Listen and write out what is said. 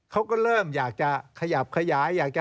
เขาก็เริ่มอยากจะขยับขยาย